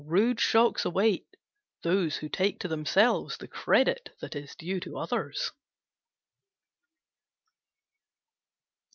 Rude shocks await those who take to themselves the credit that is due to others.